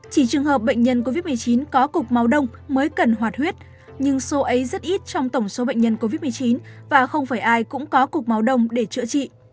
chỉ trường hợp bệnh nhân covid một mươi chín có cục máu đông mới cần hoạt huyết nhưng số ấy rất ít trong tổng số bệnh nhân covid một mươi chín và không phải ai cũng có cục máu đông để chữa trị